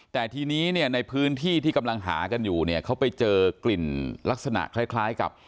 แต่ทีนี้เนี่ยในพื้นที่ที่กำลังหากันอยู่เนี่ยเขาไปเจอกลิ่นลักษณะคล้ายกับ